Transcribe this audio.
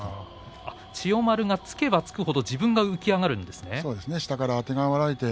千代丸が突けば突くほど自分が浮き上がってしまうんですね。